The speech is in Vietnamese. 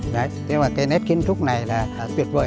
nhưng mà cái nét kiến trúc này là tuyệt vời